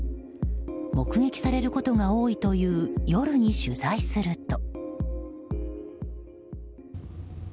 目撃されることが多いという夜に取材すると。